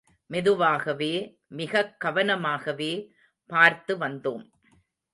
மெதுவாகவே, மிகக் கவனமாகவே பார்த்து வந்தோம்.